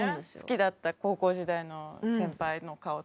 好きだった高校時代の先輩の顔とか。